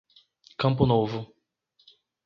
Campo Novo